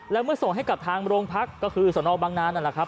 แล้วเมื่อส่งให้กับทางโรงพักก็คือสนบังนานนั่นแหละครับ